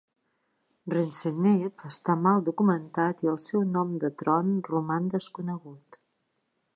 Renseneb està mal documentat i el seu nom de tron roman desconegut.